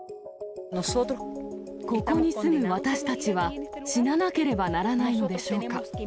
ここに住む私たちは、死ななければならないのでしょうか。